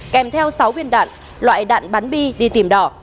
kèm theo sáu viên đạn loại đạn bắn bi đi tìm đỏ